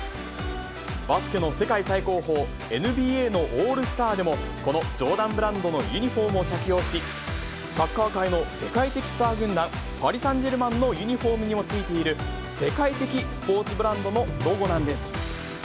バスケの世界最高峰、ＮＢＡのオールスターでもこのジョーダンブランドのユニホームを着用し、サッカー界の世界的スター軍団、パリサンジェルマンのユニホームにも付いている世界的スポーツブランドのロゴなんです。